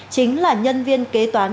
chính là nhân viên kế toán